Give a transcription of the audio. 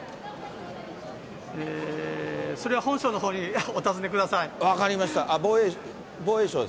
それは本省のほうにお尋ねく分かりました。